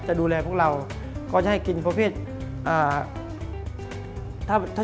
จะดูแลพวกเราก็จะให้กินเพราะเพราะเพราะ